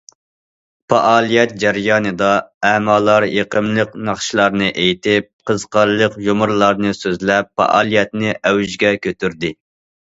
پائالىيەت جەريانىدا ئەمالار يېقىملىق ناخشىلارنى ئېيتىپ، قىزىقارلىق يۇمۇرلارنى سۆزلەپ، پائالىيەتنى ئەۋجىگە كۆتۈردى.